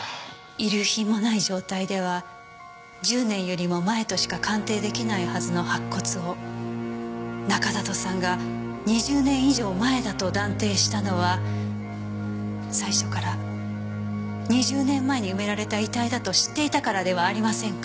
遺留品もない状態では１０年よりも前としか鑑定出来ないはずの白骨を中里さんが２０年以上前だと断定したのは最初から２０年前に埋められた遺体だと知っていたからではありませんか？